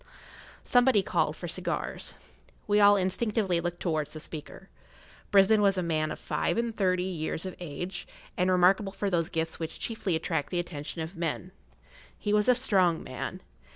Somebody called for cigars. We all instinctively looked towards the speaker. Brisbane was a man of five and thirty years of age, and remarkable for those gifts which chiefly attract the attention of men. He was a strong man.